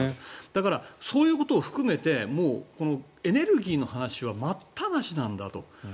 だからそういうことを含めてもうこのエネルギーの話は待ったなしなんだと。